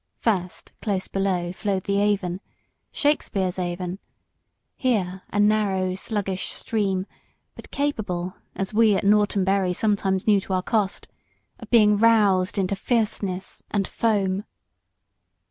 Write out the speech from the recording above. First, close below, flowed the Avon Shakspeare's Avon here a narrow, sluggish stream, but capable, as we at Norton Bury sometimes knew to our cost, of being roused into fierceness and foam.